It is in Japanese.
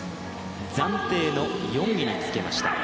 暫定の４位につけました。